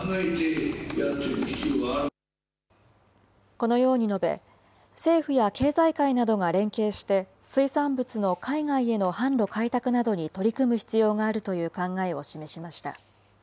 このように述べ、政府や経済界などが連携して、水産物の海外への販路開拓などに取り組む必要があるという考えを示しました。